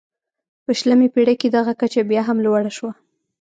په شلمې پېړۍ کې دغه کچه بیا هم لوړه شوه.